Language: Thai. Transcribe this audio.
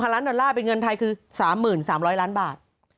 ล้านดอลลาร์เป็นเงินไทยคือ๓๓๐๐ล้านบาท